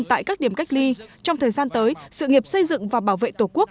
tại các điểm cách ly trong thời gian tới sự nghiệp xây dựng và bảo vệ tổ quốc